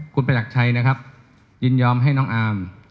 คุณประหลักชัยนะครับยินยอมให้น้องอาร์ม